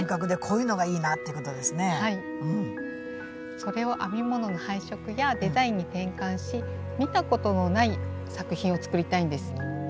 それを編み物の配色やデザインに転換し見たことのない作品を作りたいんです。